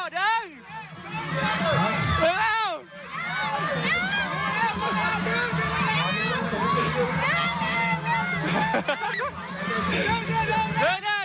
ทีมอิ่มัลตรงนี้ด้วย